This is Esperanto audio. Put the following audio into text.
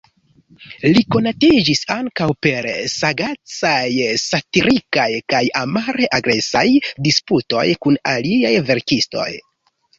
Li konatiĝis ankaŭ per sagacaj-satirikaj kaj amare-agresaj disputoj kun aliaj verkistoj.